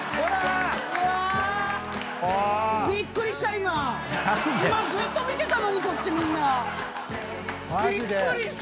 今ずっと見てたのにこっちみんな。びっくりした。